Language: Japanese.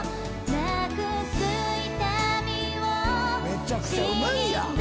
めちゃくちゃうまいやん！